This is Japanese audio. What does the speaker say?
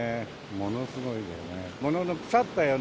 ものすごいよね。